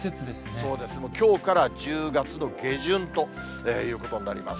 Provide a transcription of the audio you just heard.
そうです、もうきょうから１０月の下旬ということになります。